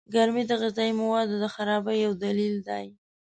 گرمي د غذايي موادو د خرابۍ يو دليل دئ.